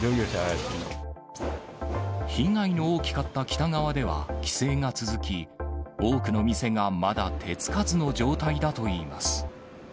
被害の大きかった北側では、規制が続き、多くの店がまだ手つかずの状態だといいます。